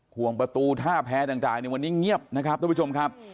วงประตูท่าแพ้ต่างในวันนี้เงียบนะครับทุกผู้ชมครับ